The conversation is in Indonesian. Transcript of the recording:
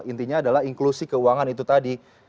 intinya adalah inklusi keuangan itu tadi